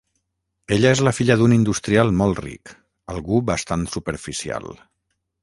Ella és la filla d'un industrial molt ric, algú bastant superficial.